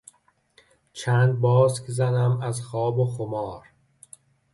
چند باسک زنم از خواب و خمار.